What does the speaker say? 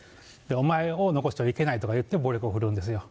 お前を残してはいけないとか言って、暴力を振るうんです。